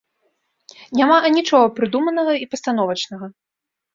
Няма анічога прыдуманага і пастановачнага.